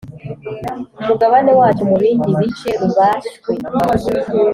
umugabane wacyo mu bindi bice rubashywe